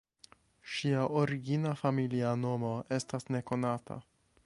Ŝia origina familia nomo estas nekonata.